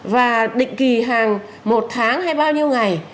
và định kỳ hàng một tháng hay bao nhiêu ngày